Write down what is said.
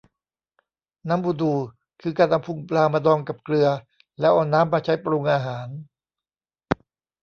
น้ำบูดู คือการเอาพุงปลามาดองกับเกลือ แล้วเอาน้ำมาใช้ปรุงอาหาร